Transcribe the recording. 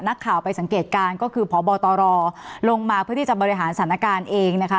นักข่าวไปสังเกตการณ์ก็คือพบตรลงมาเพื่อที่จะบริหารสถานการณ์เองนะคะ